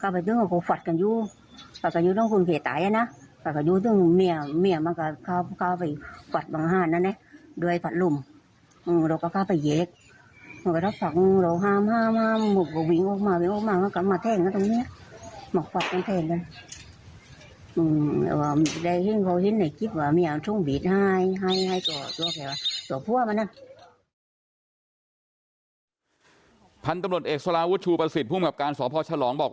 พันธุ์ตำรวจเอกสลาวุฒิชูประสิทธิ์ภูมิกับการสพฉลองบอก